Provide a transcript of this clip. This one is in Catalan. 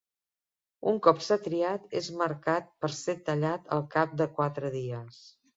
Un cop s'ha triat, és marcat per ésser tallat al cap de quatre dies.